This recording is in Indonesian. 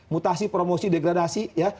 mutasi promosi degradasi ya